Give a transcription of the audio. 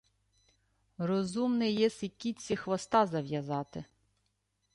— Розумний єси кітці хвоста зав'язати.